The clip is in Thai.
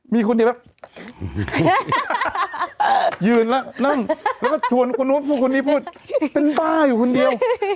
มีคนเดียวแล้วยืนแล้วนั่งแล้วก็ชวนคนนู้นพูดคนนี้พูดเป็นบ้าอยู่คนเดียว